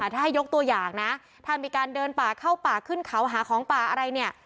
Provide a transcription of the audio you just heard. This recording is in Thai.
ถ้าให้ยกตัวอย่างนะถ้ามีการเดินป่าเข้าป่าขึ้นเขาหาของป่าอะไรเนี่ย